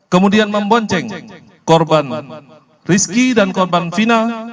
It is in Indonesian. kemudian membonceng korban rizki dan korban final